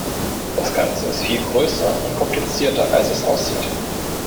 Das Ganze ist viel größer und komplizierter als es aussieht.